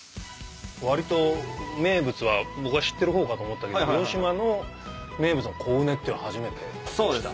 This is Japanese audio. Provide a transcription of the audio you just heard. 割と名物は僕は知ってる方かと思ったけど広島の名物のコウネっていうのは初めてでした。